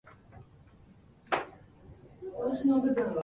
吉沢君は、歌も書も碁もする人でした